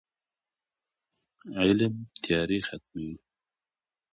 علم تیارې ختموي.